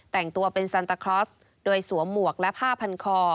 แต่งตัวเป็นซันตาคลอสโดยสวมหมวกและผ้าพันคอ